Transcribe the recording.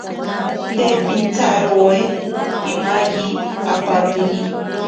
Te pintsarowe pimayi apaniroini.